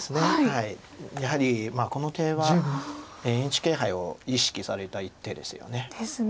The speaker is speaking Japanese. やはりこの手はＮＨＫ杯を意識された一手ですよね。ですね。